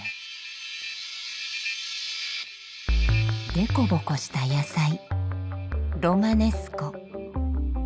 でこぼこした野菜ロマネスコ。